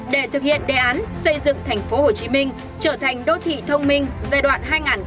để thực hiện đề án xây dựng thành phố hồ chí minh trở thành đô thị thông minh giai đoạn hai nghìn một mươi bảy hai nghìn hai mươi